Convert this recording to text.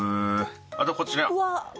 あとこちら。